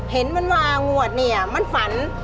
เห็นมันวางวดเนี่ยมันฝัน